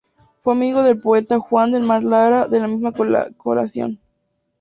Fue amigo del poeta Juan de Mal Lara, de la misma collación.